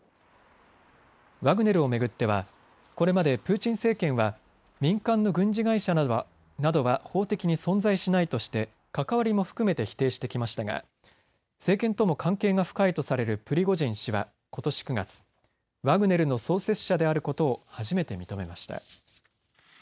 ワグネルを巡ってはこれまでプーチン政権は民間の軍事会社などは法的に存在しないとして関わりも含めて否定してきましたが政権とも関係が深いとされるプリゴジン氏はことし９月、ワグネルの創設者であることを初めて認めました。